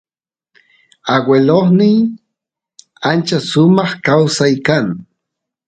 aguelosnyan ancha sumaq kawsay kan